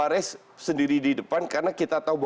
apalagi seandainya mereka bergabung dengan juve